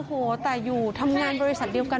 โอ้โหแต่อยู่ทำงานบริษัทเดียวกัน